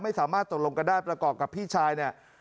ไม่สามารถตกลงกันได้ประกอบกับพี่ชายเนี่ย